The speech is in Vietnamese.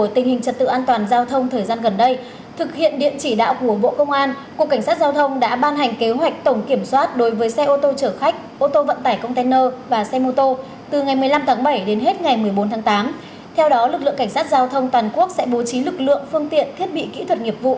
theo đó lực lượng cảnh sát giao thông toàn quốc sẽ bố trí lực lượng phương tiện thiết bị kỹ thuật nghiệp vụ